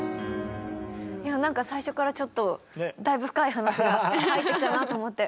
なんか最初からちょっとだいぶ深い話が入ってきたなと思って。